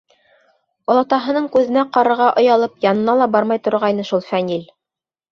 Олатаһының күҙенә ҡарарға оялып, янына ла бармай торғайны шул Фәнил.